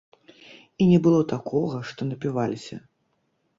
І не было такога, што напіваліся.